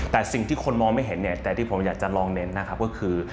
แต่สิ่งที่คนมองไม่เห็นเนี่ยแต่ที่ผมอยากจะลองเน้นนะครับก็คือ